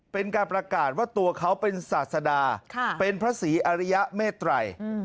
เป็นการประกาศว่าตัวเขาเป็นศาสดาเป็นพระศรีอริยเมตรัย